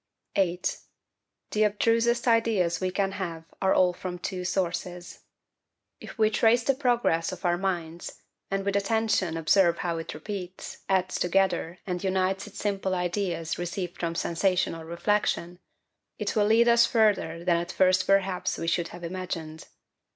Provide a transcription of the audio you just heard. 8. The abstrusest Ideas we can have are all from two Sources. If we trace the progress of our minds, and with attention observe how it repeats, adds together, and unites its simple ideas received from sensation or reflection, it will lead us further than at first perhaps we should have imagined.